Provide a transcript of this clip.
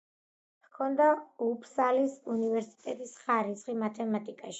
ჰქონდა უფსალის უნივერსიტეტის ხარისხი მათემატიკაში.